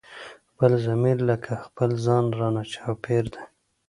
خپل ضمير لکه خپل ځان رانه چاپېر دی